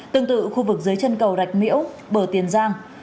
tương tự khu vực dưới chân cầu rạch miễu bờ tiền giang